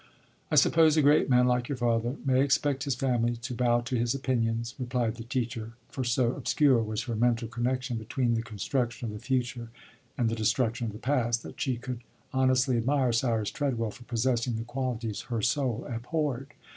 "I suppose a great man like your father may expect his family to bow to his opinions," replied the teacher, for so obscure was her mental connection between the construction of the future and the destruction of the past, that she could honestly admire Cyrus Treadwell for possessing the qualities her soul abhorred.